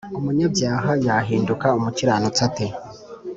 Umunyabyaha yahinduka umukiranutsi ate?